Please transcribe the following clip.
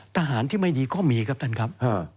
ทหารที่ไม่ดีก็มีครับท่านครับ